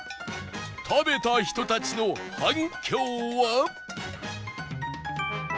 食べた人たちの反響は